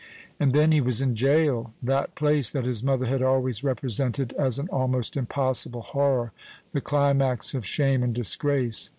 And then he was in jail that place that his mother had always represented as an almost impossible horror, the climax of shame and disgrace.